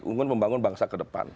ingin membangun bangsa ke depan